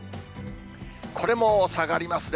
これも下がりますね。